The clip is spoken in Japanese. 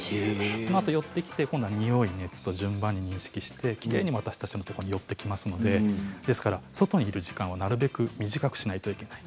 寄ってきてあとはにおい、熱と順番に認識してきれいに私たちのところにやってきますので外にいる時間はなるべく短くしないといけない。